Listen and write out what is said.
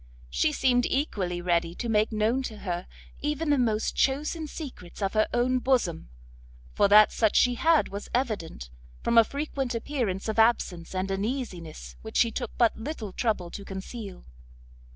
She seemed equally ready to make known to her even the most chosen secrets of her own bosom, for that such she had was evident, from a frequent appearance of absence and uneasiness which she took but little trouble to conceal.